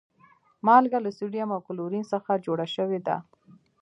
مالګه له سودیم او کلورین څخه جوړه شوی ده